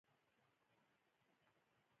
نړۍ مسلمانانو ته سپېڅلي ځایونه مقدس دي.